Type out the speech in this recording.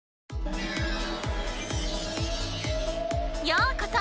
ようこそ！